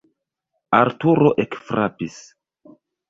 Arturo ekfrapis.